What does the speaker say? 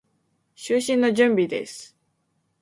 就寝の準備です。